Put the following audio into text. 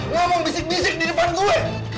lo mau bisik bisik di depan gue